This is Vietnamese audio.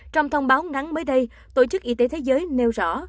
trong thông báo nắng mới đây tổ chức y tế thế giới nêu rõ